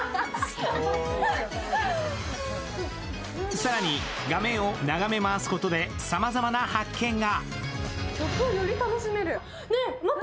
更に画面を眺め回すことでさまざまな発見が。